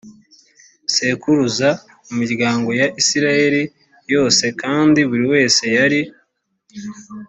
sekuruza mu miryango ya isirayeli yose kandi buri wese yari